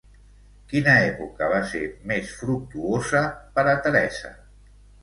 Quina època va ser més fructuosa per a Teresa?